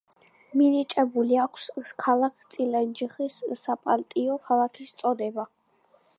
მინიჭებული აქვს ქალაქ წალენჯიხის საპატიო მოქალაქის წოდება.